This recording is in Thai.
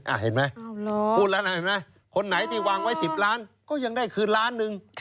เห็นไหมพูดแล้วนะเห็นไหมคนไหนที่วางไว้๑๐ล้านก็ยังได้คืนล้านหนึ่ง